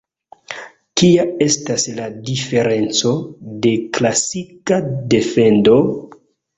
Kia estas la diferenco de "klasika defendo"?